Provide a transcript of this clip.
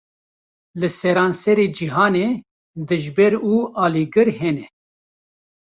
Li seranserê cîhanê, dijber û alîgir hene